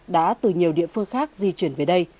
đã từ nhiều địa phương khác di chuyển về đây